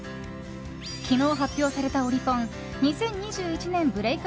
昨日、発表されたオリコン２０２１年ブレイク